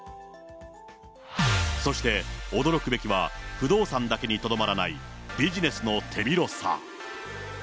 そして、驚くべきは不動産だけにとどまらないビジネスの手広さ。